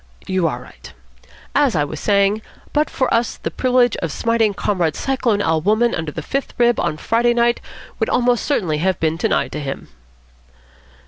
"You are right. As I was saying, but for us the privilege of smiting Comrade Cyclone Al. Wolmann under the fifth rib on Friday night would almost certainly have been denied to him."